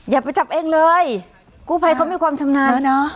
อย่าไปจับเองเลยกู้ภัยเขามีความชำนาญ